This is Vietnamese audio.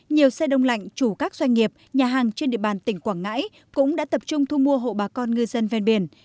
nhiều xe đông lạnh chủ các doanh nghiệp nhà hàng trên địa bàn tỉnh quảng ngãi cũng đã tập trung thu mua hộ bà con ngư dân ven biển